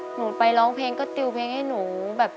หนูไปร้องเพลงก็ติวเพลงให้หนูแบบ